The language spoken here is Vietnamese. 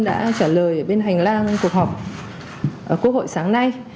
đã trả lời ở bên hành lang cuộc họp ở quốc hội sáng nay